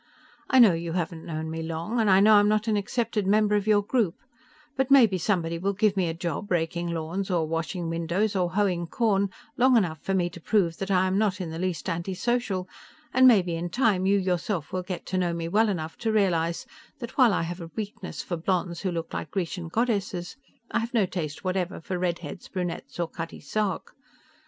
I know you haven't known me long, and I know I'm not an accepted member of your group, but maybe somebody will give me a job raking lawns or washing windows or hoeing corn long enough for me to prove that I am not in the least antisocial; and maybe, in time, you yourself will get to know me well enough to realize that while I have a weakness for blondes who look like Grecian goddesses, I have no taste whatever for redheads, brunettes, or Cutty Sark.